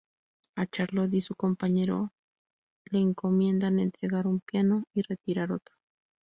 A Charlot y su compañero le encomiendan entregar un piano y retirar otro.